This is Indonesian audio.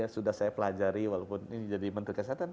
sudah saya pelajari walaupun ini jadi menteri kesehatan